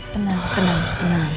tenang tenang tenang